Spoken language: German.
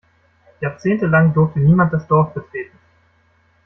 Jahrzehntelang durfte niemand das Dorf betreten.